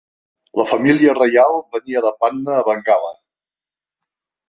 La família reial venia de Patna a Bengala.